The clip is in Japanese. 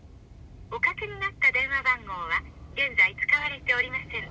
おかけになった電話番号は現在使われておりません。